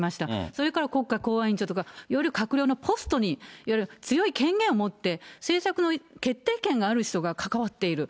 それから国家公安委員長とか、より閣僚のポストに強い権限を持って、政策の決定権がある人が関わっている。